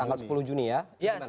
tanggal sepuluh juni ya